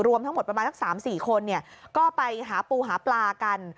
รวมทั้งหมดประมาณสัก๓๔คนก็ไปหาปูหาปลากัน